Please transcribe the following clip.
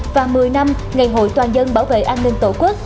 và một mươi năm ngày hội toàn dân bảo vệ an ninh tổ quốc